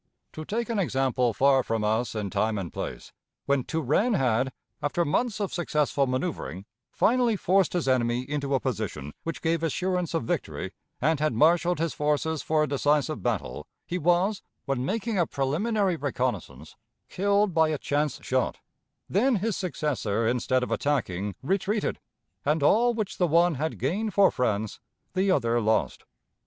To take an example far from us, in time and place, when Turenne had, after months of successful manoeuvring, finally forced his enemy into a position which gave assurance of victory, and had marshaled his forces for a decisive battle, he was, when making a preliminary reconnaissance, killed by a chance shot; then his successor, instead of attacking, retreated, and all which the one had gained for France, the other lost.